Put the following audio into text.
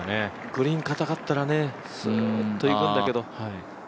グリーン硬かったらスーッといくんだけど。